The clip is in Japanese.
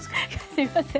すいません。